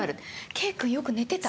圭君よく寝てた。